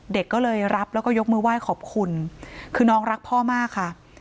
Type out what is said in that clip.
เด็กก็เลยรับแล้วก็ยกมือไหว้ขอบคุณคือน้องรักพ่อมากค่ะ